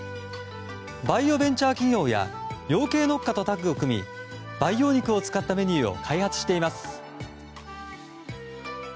バイオベンチャー企業や養鶏農家とタッグを組み培養肉を使ったメニューを開発しています。